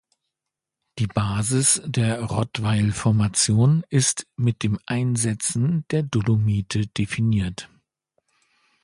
Die Basis der Rottweil-Formation ist mit dem Einsetzen der Dolomite definiert.